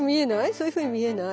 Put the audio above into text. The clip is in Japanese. そういうふうに見えない？